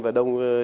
và đông giáo viên